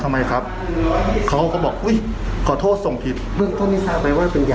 ไปคุยกับหมอเนอะ